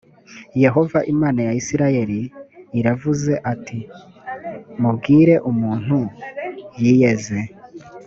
yehova imana ya isirayeli iravuze ati: mubwire umuntu yiyeze